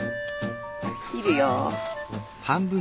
切るよ。